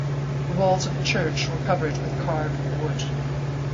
The walls of the church were covered with carved wood.